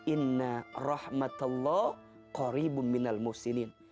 inna rahmatallah qaribu minal musinin